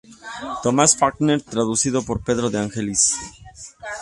Thomas Falkner, traducido por Pedro de Angelis.